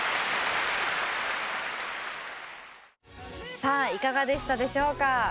さあいかがでしたでしょうか？